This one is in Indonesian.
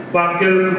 wakil kepala daerah